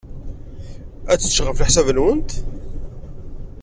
Ad tečč, ɣef leḥsab-nwen?